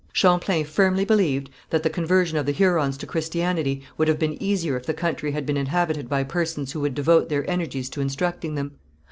Champlain firmly believed that the conversion of the Hurons to Christianity would have been easier if the country had been inhabited by persons who would devote their energies to instructing them.